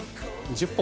１０本。